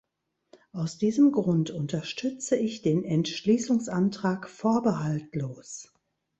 Aus diesem Grund unterstütze ich den Entschließungsantrag vorbehaltlos.